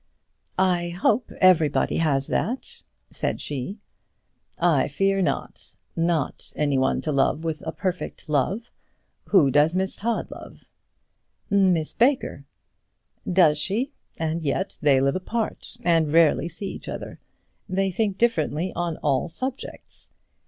"I hope everybody has that," said she. "I fear not; not anyone to love with a perfect love. Who does Miss Todd love?" "Miss Baker." "Does she? And yet they live apart, and rarely see each other. They think differently on all subjects.